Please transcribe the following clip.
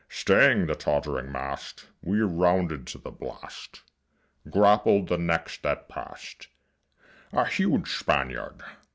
Staying the tott'ring mast We rounded to the blast, Grappled the next that pass'd A huge Spaniard.